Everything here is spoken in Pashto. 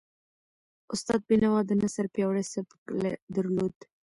استاد بینوا د نثر پیاوړی سبک درلود.